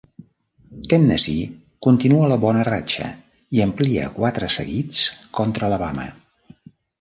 Tennessee continua la bona ratxa i amplia a quatre seguits contra Alabama.